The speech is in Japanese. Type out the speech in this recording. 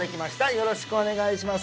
よろしくお願いします